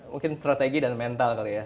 mungkin strategi dan mental kali ya